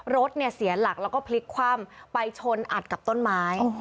รถเนี่ยเสียหลักแล้วก็พลิกคว่ำไปชนอัดกับต้นไม้